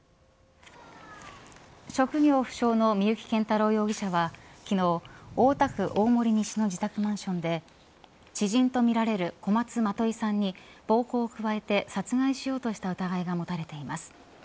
職業不詳の三幸謙太郎容疑者は昨日大田区大森西の自宅マンションで知人とみられる小松まといさんに暴行を加えて殺害しようとした疑いが持たれています。